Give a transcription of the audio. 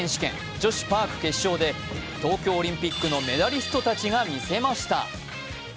女子パーク決勝で東京オリンピックのメダリストたちが見せました。